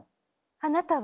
あなたは？